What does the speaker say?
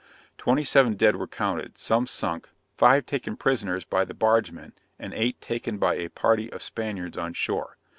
Twenty seven dead were counted, some sunk, five taken prisoners by the bargemen, and eight taken by a party of Spaniards on shore.